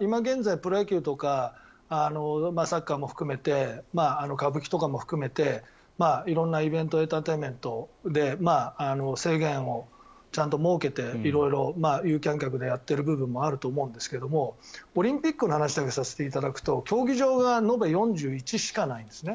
今現在、プロ野球とかサッカーも含めて歌舞伎とかも含めて色んなイベントエンターテインメントで制限をちゃんと設けて色々、有観客でやっている部分もあると思うんですがオリンピックの話だけさせていただくと競技場が延べ４１しかないんですね。